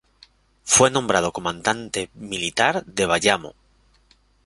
Fue nombrado comandante militar de Bayamo.